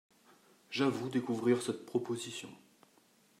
J’avoue découvrir cette proposition.